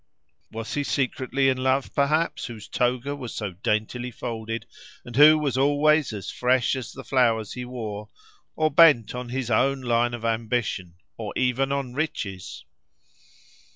Was he secretly in love, perhaps, whose toga was so daintily folded, and who was always as fresh as the flowers he wore; or bent on his own line of ambition: or even on riches?